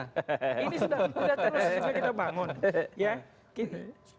ini sudah terus sudah kita bangun